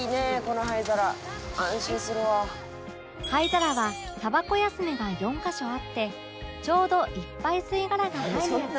灰皿はタバコ休めが４カ所あってちょうどいっぱい吸い殻が入るやつ